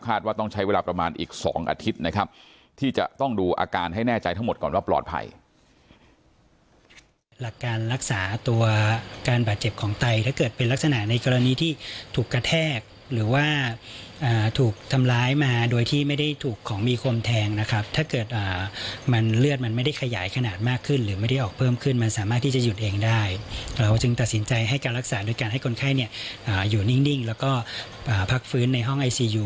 ว่าต้องใช้เวลาประมาณอีก๒อาทิตย์นะครับที่จะต้องดูอาการให้แน่ใจทั้งหมดก่อนว่าปลอดภัย